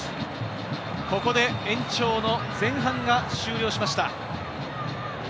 ここで延長の前半が終了しました。